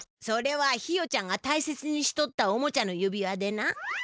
それはひよちゃんがたいせつにしとったおもちゃの指輪でな。